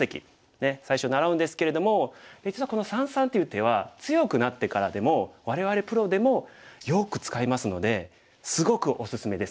ねえ最初習うんですけれども実はこの三々という手は強くなってからでも我々プロでもよく使いますのですごくおすすめです。